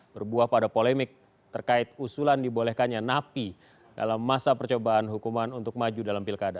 berbuah pada polemik terkait usulan dibolehkannya napi dalam masa percobaan hukuman untuk maju dalam pilkada